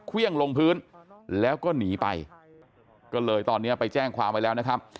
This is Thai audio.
เครื่องลงพื้นแล้วก็หนีไปก็เลยตอนนี้ไปแจ้งความไว้แล้วนะครับ